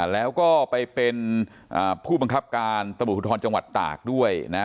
แล้วก็ไปเป็นผู้บังคับการตำรวจภูทรจังหวัดตากด้วย